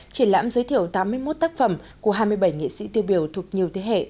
triển lãm giới thiệu tám mươi một tác phẩm của hai mươi bảy nghệ sĩ tiêu biểu thuộc nhiều thế hệ